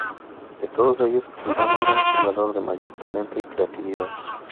De todos ellos, Albano era el jugador de mayor talento y creatividad.